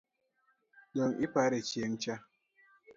Donge ipare chieng’cha?